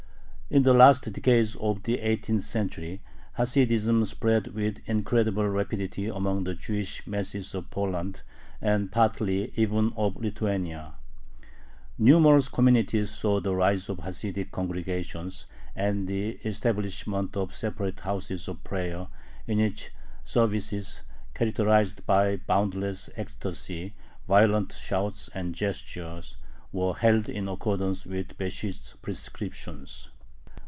In the last decades of the eighteenth century, Hasidism spread with incredible rapidity among the Jewish masses of Poland and partly even of Lithuania. Numerous communities saw the rise of Hasidic congregations and the establishment of separate houses of prayer, in which services, characterized by boundless ecstasy, violent shouts, and gestures, were held in accordance with Besht's prescriptions.